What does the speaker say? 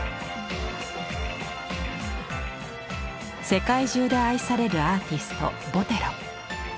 世界中で愛されるアーティストボテロ。